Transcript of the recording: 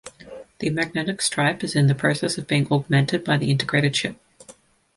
The magnetic stripe is in the process of being augmented by the integrated chip.